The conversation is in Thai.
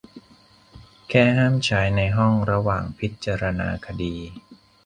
แค่ห้ามใช้ในห้องระหว่างพิจารณาคดี